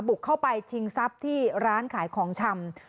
บุกเข้าไปชิงทรัพย์ที่ร้านขายของชำ